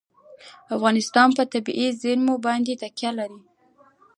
افغانستان په طبیعي زیرمې باندې تکیه لري.